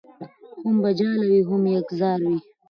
هم به جاله وي هم یکه زار وي